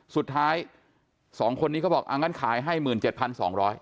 สุดท้าย๒คนนี้เขาบอกอ่างั้นขายให้๑๗๒๐๐บาท